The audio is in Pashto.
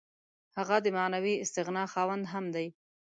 هغه د معنوي استغنا خاوند هم دی.